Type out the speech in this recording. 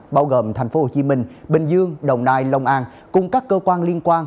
bao gồm tp hcm bình dương đồng nai lông an cùng các cơ quan liên quan